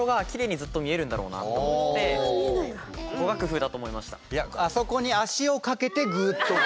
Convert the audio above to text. ここが工夫だと思いました。